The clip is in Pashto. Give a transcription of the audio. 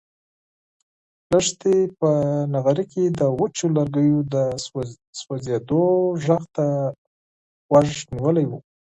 لښتې په نغري کې د وچو لرګیو د سوزېدو غږ ته غوږ نیولی و.